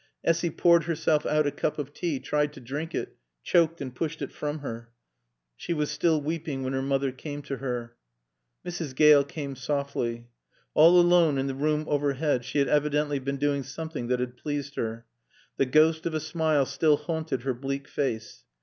Essy poured herself out a cup of tea, tried to drink it, choked and pushed it from her. She was still weeping when her mother came to her. Mrs. Gale came softly. All alone in the room overhead she had evidently been doing something that had pleased her. The ghost of a smile still haunted her bleak face.